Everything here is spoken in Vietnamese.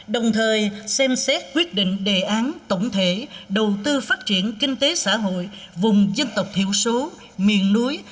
đồng thời xem xét quyết định đề án tổng thể đầu tư phát triển kinh tế xã hội vùng dân tộc thiểu số miền núi